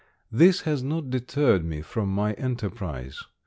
This has not deterred me from my enterprise.